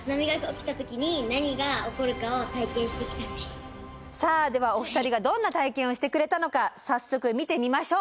実はさあではお二人がどんな体験をしてくれたのか早速見てみましょう。